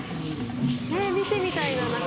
見てみたいな中。